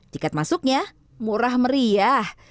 tiket masuknya murah meriah